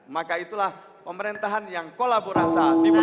maka itulah pemerintahan yang kolaborasi